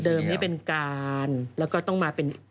เดิมนี้เป็นการแล้วก็ต้องมาเป็น